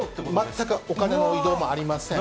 全くお金の移動もありません。